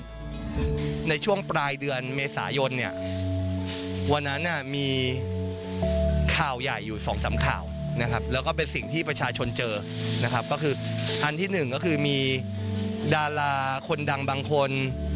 ในช่วงปลายเดือนเมษายนเนี่ยวันนั้นมีข่าวใหญ่อยู่สองสามข่าวนะครับแล้วก็เป็นสิ่งที่ประชาชนเจอนะครับก็คืออันที่หนึ่งก็คือมีดาราคนดังบางคน